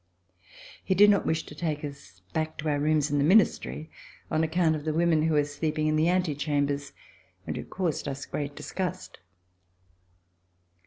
He did not wish to take us back to our rooms in the Ministry on account of the women who were sleeping in the antechambers and who caused us great disgust.